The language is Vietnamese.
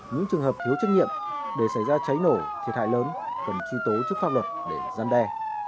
những trường hợp thiếu trách nhiệm để xảy ra cháy nổ thiệt hại lớn cần truy tố trước pháp luật để gian đe